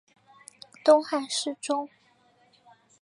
东汉侍中。